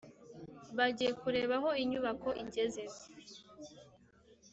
bagiye kureba aho inyubako igeze